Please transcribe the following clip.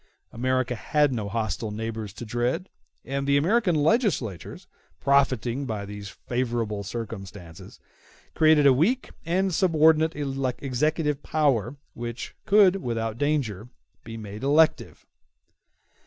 America had no hostile neighbors to dread; and the American legislators, profiting by these favorable circumstances, created a weak and subordinate executive power which could without danger be made elective.